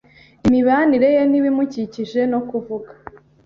imibanire ye n’ibimukikije no kuvuga.